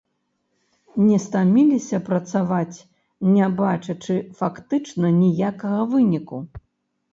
Не стаміліся працаваць, не бачачы фактычна ніякага выніку?